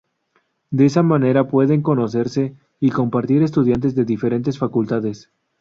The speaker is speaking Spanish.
De esa manera pueden conocerse y compartir estudiantes de diferentes facultades.